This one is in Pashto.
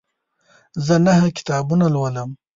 زه نهه کتابونه لولم.